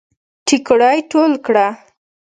ټيکړی ټول کړه